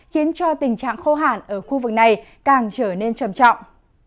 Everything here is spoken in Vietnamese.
khiến cho tình trạng khô hạn ở khu vực này càng trở nên trầm trọng